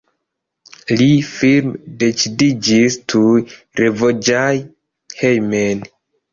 Li firme decidiĝis tuj revojaĝi hejmen.